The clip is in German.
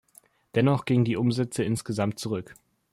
Dennoch gingen die Umsätze insgesamt zurück.